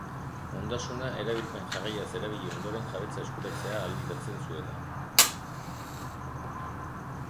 Ondasuna erabilpen jarraiaz erabili ondoren jabetza eskuratzea ahalbidetzen zuena.